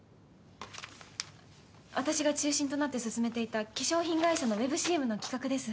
私が中心となって進めていた化粧品会社のウェブＣＭの企画です。